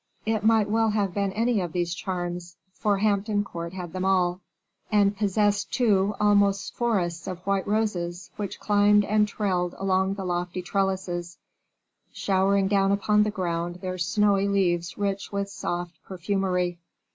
It might well have been any of these charms for Hampton Court had them all; and possessed, too, almost forests of white roses, which climbed and trailed along the lofty trellises, showering down upon the ground their snowy leaves rich with soft perfumery.